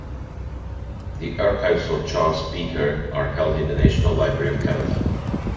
The archives of Charles Peaker are held in the National Library of Canada.